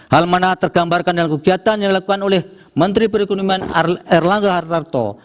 hal mana tergambarkan dalam kegiatan yang dilakukan oleh menteri perekonomian erlangga hartarto